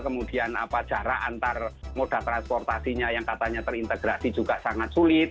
kemudian jarak antar moda transportasinya yang katanya terintegrasi juga sangat sulit